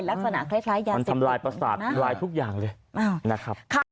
มันทำร้ายประสาทรายทุกอย่างเลยนะครับ